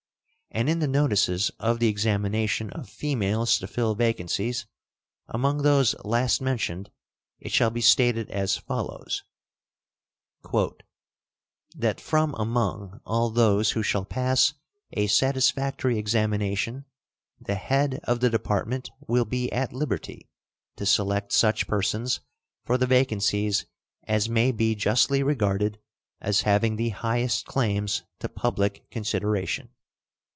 And in the notices of the examination of females to fill vacancies among those last mentioned it shall be stated as follows: "That from among all those who shall pass a satisfactory examination the head of the Department will be at liberty to select such persons for the vacancies as may be justly regarded as having the highest claims to public consideration."